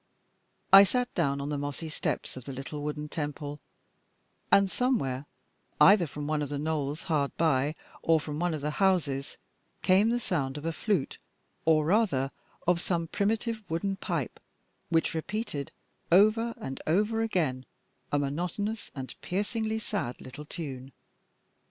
I sat down on the mossy steps of the little wooden temple, and somewhere, either from one of the knolls hard by or from one of the houses, came the sound of a flute, or rather of some primitive wooden pipe, which repeated over and over again a monotonous and piercingly sad little tune.